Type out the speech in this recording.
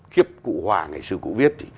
khiếp cụ hòa ngày xưa cụ viết